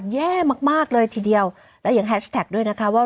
แย่มากมากเลยทีเดียวและยังแฮชแท็กด้วยนะคะว่า